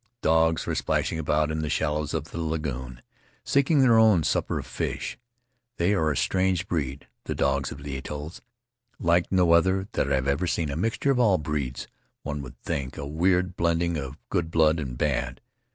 Dogs were splashing about in the shallows of the lagoon, seeking their own supper of fish. They are a strange breed, the dogs of the atolls, like no other that I have ever seen, a mixture of all breeds one would think, a weird blending of good blood and bad.